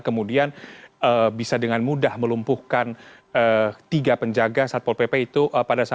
kemudian bisa dengan mudah melumpuhkan tiga penjaga saat pol pp itu pada saat berada di pos penjagaan